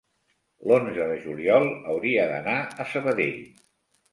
l'onze de juliol hauria d'anar a Sabadell.